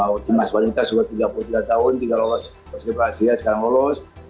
ultimas wanita sudah tiga puluh tiga tahun lulus ke polisi pelas kaya sekarang lulus